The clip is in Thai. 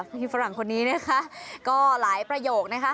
มีฝรั่งคนนี้นะคะก็หลายประโยคนะคะ